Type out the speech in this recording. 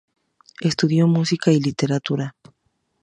Estudió música y literatura.